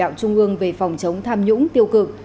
đạo trung ương về phòng chống tham nhũng tiêu cực